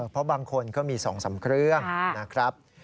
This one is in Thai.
เพราะบางคนก็มี๒๓เครื่องนะครับ